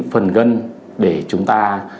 phần gân để chúng ta